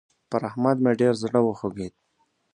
پر احمد مې ډېر زړه وخوږېد.